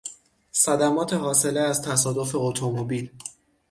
صدمات حاصله از تصادف اتومبیل